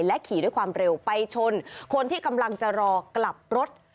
ขี่ด้วยความเร็วไปชนคนที่กำลังจะรอกลับรถ